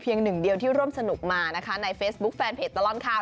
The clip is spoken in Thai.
หนึ่งเดียวที่ร่วมสนุกมานะคะในเฟซบุ๊คแฟนเพจตลอดข่าว